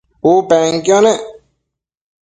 U penquio nec